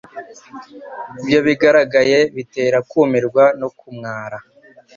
Ibyo bigaragaye bitera kumirwa no kumwara,